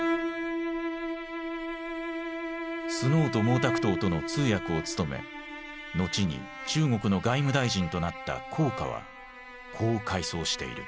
スノーと毛沢東との通訳を務め後に中国の外務大臣となった黄華はこう回想している。